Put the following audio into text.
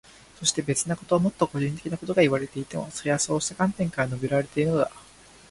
そして、別なこと、もっと個人的なことがいわれていても、それはそうした観点から述べられているのだ。